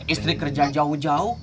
istri kerja jauh jauh